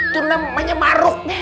itu namanya maruh